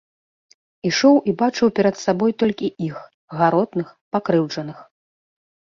Ішоў і бачыў перад сабой толькі іх, гаротных, пакрыўджаных.